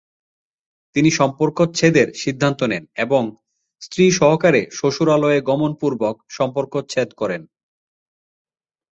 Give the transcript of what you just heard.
তিনি সম্পর্কচ্ছেদের সিদ্ধান্ত নেন এবং স্ত্রী সহকারে শ্বশুরালয়ে গমনপূর্বক সম্পর্কচ্ছেদ করেন।